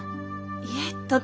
いえとても。